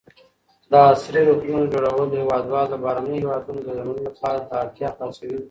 د عصري روغتونو جوړول هېوادوال له بهرنیو هېوادونو د درملنې لپاره له اړتیا خلاصوي.